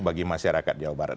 bagi masyarakat jawa barat